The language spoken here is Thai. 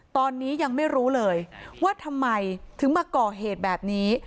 ตอนนี้ยังไม่รู้เลยว่าทำไมถึงมาก่อเหตุแบบนี้